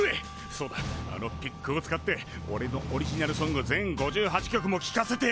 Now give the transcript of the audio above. そうだあのピックを使っておれのオリジナルソング全５８曲もきかせてやる！